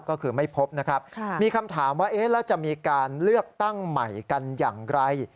ก็คือไม่พบนะครับมีคำถามว่าเอ๊ะแล้วจะมีการเลือกตั้งใหม่กันอย่างไร